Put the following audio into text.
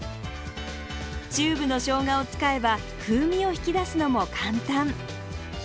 チューブのしょうがを使えば風味を引き出すのも簡単。